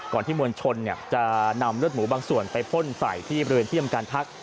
ที่มวลชนจะนำเลือดหมูบางส่วนไปพ่นใส่ที่บริเวณที่ทำการพัก